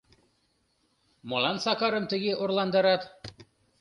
Молан Сакарым тыге орландарат?